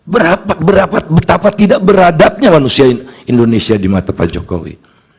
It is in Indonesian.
berapa betapa tidak beradabnya manusia indonesia di mata pak jokowi